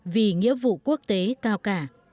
vì nghĩa vụ quốc tế cao cả